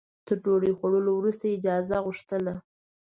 تر ډوډۍ خوړلو وروسته اجازه غوښتله.